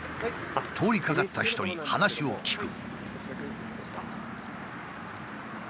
通りかかった人に話を聞く。